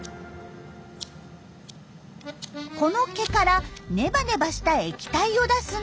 この毛からネバネバした液体を出すんだそうです。